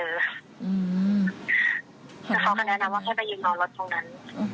แล้วเขาก็แนะนำว่าแค่ไปยืนรอรถตรงนั้น